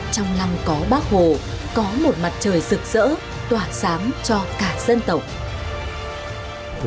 trong năm có bác hồ có một mặt trời rực rỡ tỏa sáng cho cả dân tộc